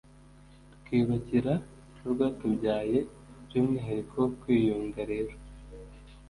tukiyubakira n’urwatubyayeby’umwihariko. kwiyunga rero